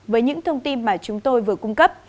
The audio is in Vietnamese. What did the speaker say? với những thông tin mà chúng tôi vừa cung cấp